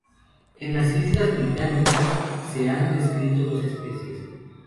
En las Islas Británicas se han descrito dos especies.